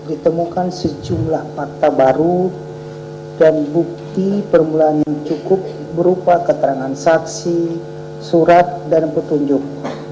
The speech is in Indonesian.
ditemukan sejumlah fakta baru dan bukti permulaan yang cukup berupa keterangan saksi surat dan petunjuk